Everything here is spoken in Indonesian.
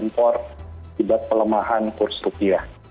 atau inflasi yang tersebut akan membuat kelembahan kurs rupiah